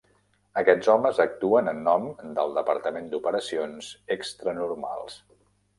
Aquests homes actuen en nom del Departament d'operacions extranormals.